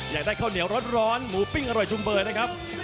อยากได้ข้าวเหนียวร้อนหมูปิ้งอร่อยชุมเบอร์นะครับ